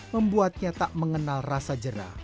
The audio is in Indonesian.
membuatnya tak mengenal rasa jerah